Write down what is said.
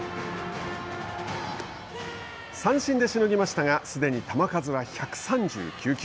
三振でしのぎましたがすでに球数は１３９球。